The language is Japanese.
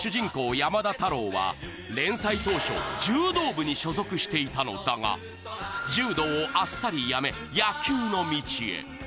山田太郎は連載当初柔道部に所属していたのだが柔道をあっさりやめ、野球の道へ。